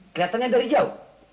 keliatannya dari jauh